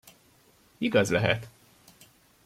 Igaz lehet!